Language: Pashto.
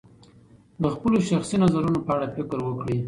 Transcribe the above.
د خپلو شخصي نظرونو په اړه فکر وکړئ.